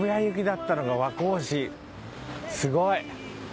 すごい。